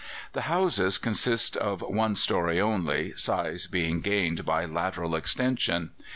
The houses consist of one story only, size being gained by lateral extension.